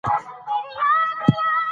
بانکونه د لویو لارو په رغولو کې برخه اخلي.